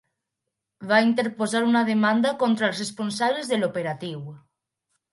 Va interposar una demanda contra els responsables de l'operatiu.